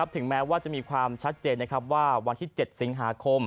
ถึงแม้ว่าจะมีความชัดเจนว่าวันที่๗สิงหาคม